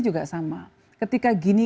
juga sama ketika gini